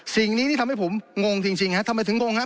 สิ่งนี้ที่ทำให้ผมงงจริงทำให้ถึงงงครับ